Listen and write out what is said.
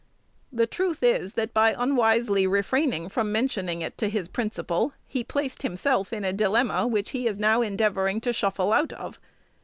The truth is, that by unwisely refraining from mentioning it to his principal, he placed himself in a dilemma which he is now endeavoring to shuffle out of.